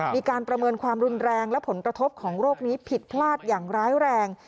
มีการประเมินความรุนแรงและผลกระทบของโรคนี้ผิดพลาดอย่างร้ายแรง